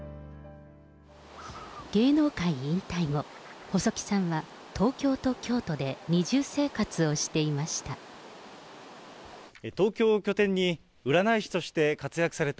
芸能界引退後、細木さんは東京と京都で二重生活をしていました。